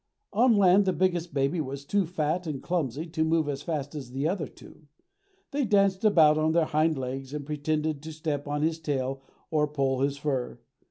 On land, the biggest baby was too fat and clumsy to move as fast as the other two. They danced about on their hind legs, and pretended to step on his tail or pull his fur.